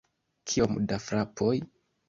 Kiom da frapoj?